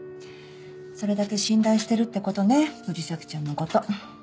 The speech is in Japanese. それだけ信頼してるってことね藤崎ちゃんのこと。